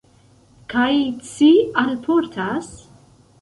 Kaj ci alportas?